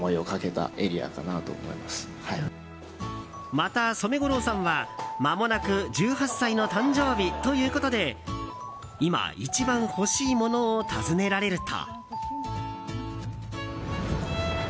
また、染五郎さんはまもなく１８歳の誕生日ということで今、一番欲しいものを尋ねられると。